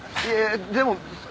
いやでも。